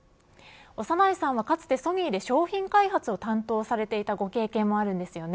長内さんはかつてソニーで商品開発を担当されていたご経験もあるんですよね。